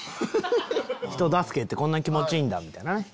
人助けってこんなに気持ちいいんだ！みたいなね。